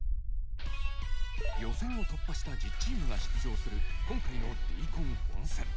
予選を突破した１０チームが出場する今回のＤコン本選。